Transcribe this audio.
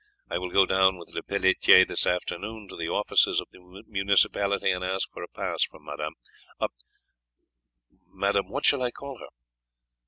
I will go down with Lepelletiere this afternoon to the offices of the municipality and ask for a pass for madame what shall I call her?"